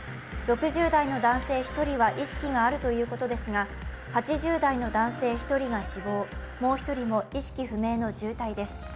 ６０代の男性１人は意識があるということですが、８０代の男性１人が死亡、もう１人も意識不明の重体です。